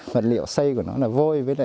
vật liệu xây của nó là vôi